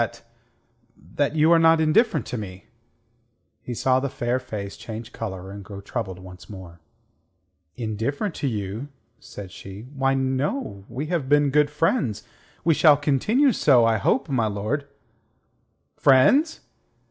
that ... that you are not indifferent to me." He saw the fair face change colour and grow troubled once more. "Indifferent to you?" said she. "Why, no. We have been good friends; we shall continue so, I hope, my lord." "Friends!